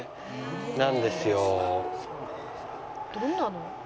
「どんなの？」